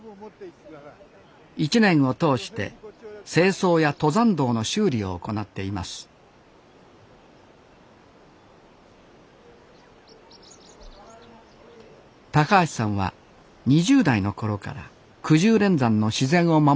一年を通して清掃や登山道の修理を行っています橋さんは２０代の頃からくじゅう連山の自然を守ってきました